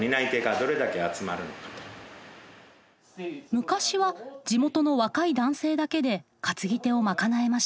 昔は地元の若い男性だけで担ぎ手を賄えました。